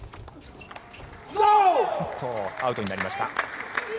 アウトになりました。